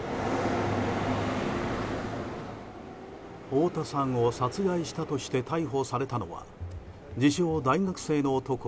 大田さんを殺害したとして逮捕されたのは自称大学生の男